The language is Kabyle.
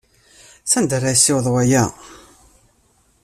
Sanda ara yessiweḍ waya?